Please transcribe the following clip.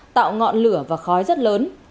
tạo ngọn lửa và khói rất lớn